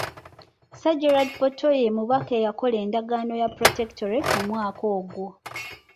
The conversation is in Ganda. Sir Gerald Portal ye Mubaka eyakola Endagaano ya Protectorate mu mwaka ogwo.